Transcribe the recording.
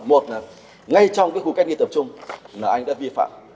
một là ngay trong cái khu cách ly tập trung là anh đã vi phạm